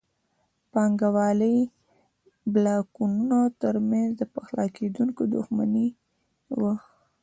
د پانګوالۍ بلاکونو ترمنځ نه پخلاکېدونکې دښمني وه.